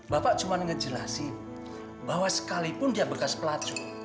bapak cuma ngejelasin bahwa sekalipun dia bekas pelacu